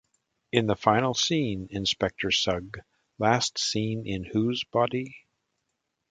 In the final scene, Inspector Sugg, last seen in Whose Body?